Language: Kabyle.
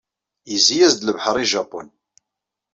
Yezzi-yas-d lebḥer i Japun.